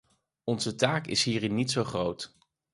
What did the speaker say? Onze taak is hierin niet zo groot.